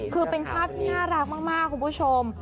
คือเป็นภาพที่น่ารักมากคุณผู้ชม